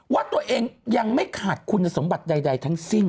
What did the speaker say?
ว่าตัวเองยังไม่ขาดคุณสมบัติใดทั้งสิ้น